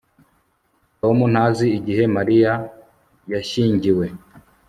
tom ntazi igihe mariya yashyingiwe